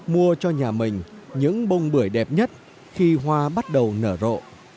mua cho nhà mình những bông bưởi đẹp nhất khi hoa bắt đầu nở rộ